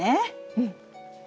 うん。